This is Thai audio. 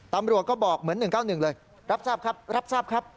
ตำรวจก็บอกเหมือน๑๙๑เลยรับทราบครับรับทราบครับ